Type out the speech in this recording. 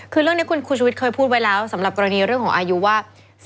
คือเรื่องนี้คุณชุวิตเคยพูดไว้แล้วสำหรับกรณีเรื่องของอายุว่า